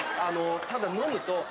あのただ飲むと。